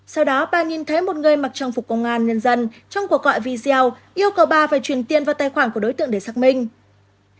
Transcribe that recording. sau đó bà nhìn thấy một người mặc trang phục công an nhân dân trong cuộc gọi video yêu cầu bà phải chuyển tiền vào tài khoản của đối tượng để xác minh